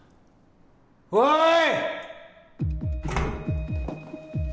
おい！